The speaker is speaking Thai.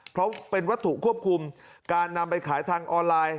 เพราะเป็นวัตถุควบคุมการนำไปขายทางออนไลน์